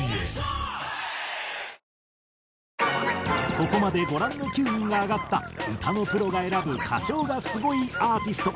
ここまでご覧の９人が挙がった歌のプロが選ぶ歌唱がスゴいアーティスト。